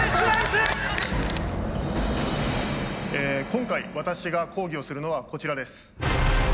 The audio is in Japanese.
今回私が講義をするのはこちらです。